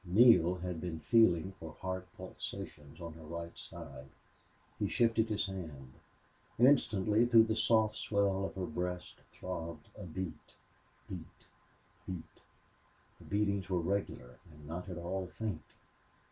Neale had been feeling for heart pulsations on her right side. He shifted his hand. Instantly through the soft swell of her breast throbbed a beat beat beat. The beatings were regular and not at all faint.